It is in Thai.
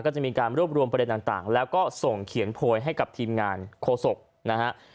ก็จะมีการรวบรวมประเด็นต่างแล้วก็ส่งเขียนโพยให้กับทีมงานโฆษกนะฮะ